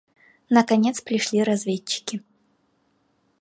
Наконец пришли разведчики.